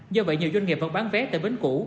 do vậy nhiều doanh nghiệp vẫn bán vé tại bến cũ